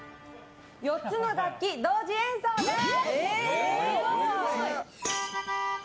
４つの楽器同時演奏です！